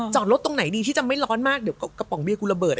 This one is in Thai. จอดรถตรงไหนดีที่จะไม่ร้อนมากเดี๋ยวกระป๋องเบียกูระเบิด